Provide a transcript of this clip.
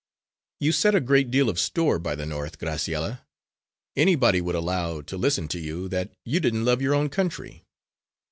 "You set a great deal of store by the North, Graciella. Anybody would allow, to listen to you, that you didn't love your own country."